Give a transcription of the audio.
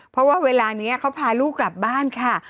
เพราะว่าเวลานี้เขาพาลูกกลับบ้านค่ะ